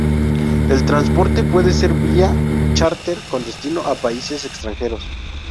El transporte puede ser vía chárter con destino a países extranjeros.